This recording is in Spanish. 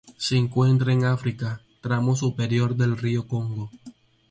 Se encuentran en África: tramo superior del río Congo.